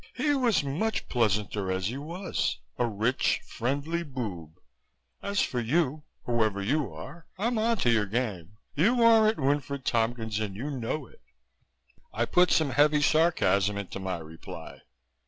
He was much pleasanter as he was a rich, friendly boob. As for you, whoever you are, I'm on to your game. You aren't Winfred Tompkins and you know it." I put some heavy sarcasm into my reply.